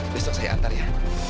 besok saya antar ya